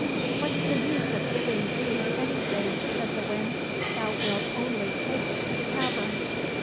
—" What's the use of giving thee any thing ?" said the Wind ;*' thou wilt only take it to the tavern.